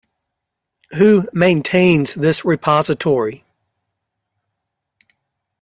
Who maintains this repository?